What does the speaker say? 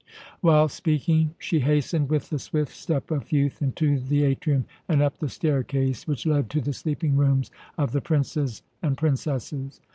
While speaking, she hastened with the swift step of youth into the atrium and up the staircase which led to the sleeping rooms of the princes and princesses.